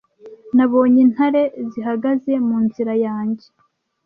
nabonye intare zihagaze mu nzira yanjye